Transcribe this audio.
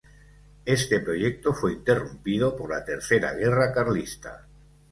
Este proyecto fue interrumpido por la Tercera Guerra Carlista.